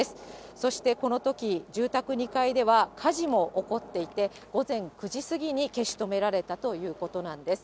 そしてこのとき、住宅２階では火事も起こっていて、午前９時過ぎに消し止められたということなんです。